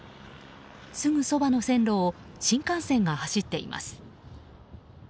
すぐそばの線路を新幹線が走っています。